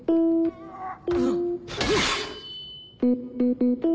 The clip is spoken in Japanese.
うっ！